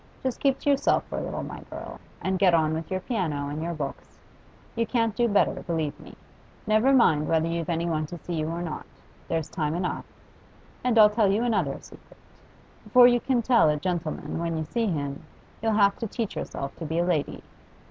Just keep to yourself for a little, my girl, and get on with your piano and your books. You can't do better, believe me. Never mind whether you've any one to see you or not; there's time enough. And I'll tell you another secret. Before you can tell a gentleman when you see him, you'll have to teach yourself to be a lady.